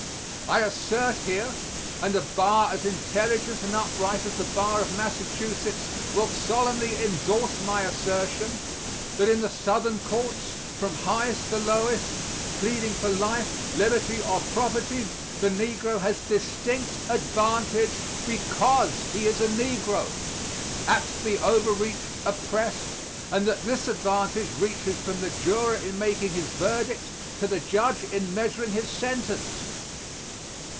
I assert here, and a bar as intelligent and upright as the bar of Massachusetts will solemnly indorse my assertion, that in the Southern courts, from highest to lowest, pleading for life, liberty or property, the negro has distinct advantage because he is a negro, apt to be overreached, oppressed and that this advantage reaches from the juror in making his verdict to the judge in measuring his sentence.